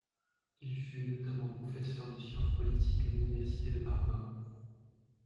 Il fut notamment professeur de sciences politiques à l'université de Harvard.